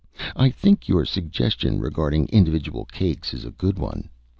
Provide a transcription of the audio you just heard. I think your suggestion regarding individual cakes is a good one.